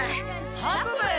作兵衛。